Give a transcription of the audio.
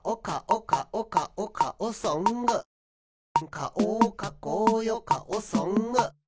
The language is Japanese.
「かおかこうよかおソング」